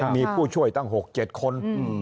มีผู้ช่วยตั้ง๖๗คน